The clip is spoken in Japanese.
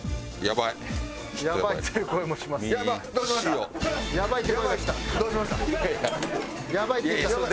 やばい？